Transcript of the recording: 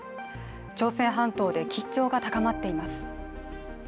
朝鮮半島で緊張が高まっています。